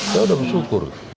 saya sudah bersyukur